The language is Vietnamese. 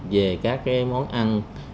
về các món ăn